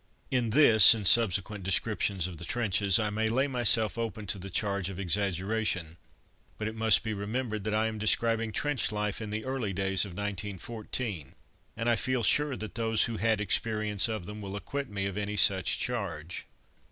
In this, and subsequent descriptions of the trenches, I may lay myself open to the charge of exaggeration. But it must be remembered that I am describing trench life in the early days of 1914, and I feel sure that those who had experience of them will acquit me of any such charge.